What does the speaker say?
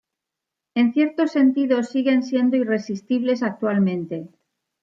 En cierto sentido, siguen siendo irresistibles actualmente.